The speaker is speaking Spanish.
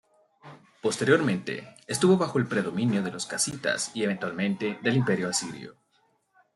Posteriormente estuvo bajo el predominio de los casitas y eventualmente del Imperio Asirio.